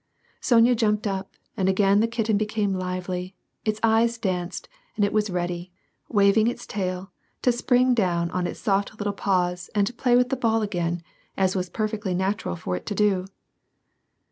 Sonya jumped up, and again the kitten became lively, its eyes danced, and it was ready, waving its tail, to spring down on its soft little paws and to play with the ball again, as was perfectly natural for it to do.